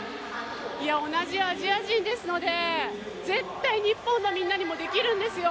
同じアジア人ですので、絶対、日本のみんなにもできるんですよ。